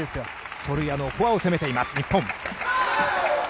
ソルヤのフォアを攻めています、日本。